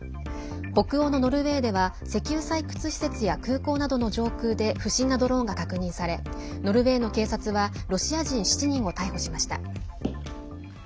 北欧のノルウェーでは石油採掘施設や空港などの上空で不審なドローンが確認されノルウェーの警察はロシア人７人を逮捕しました。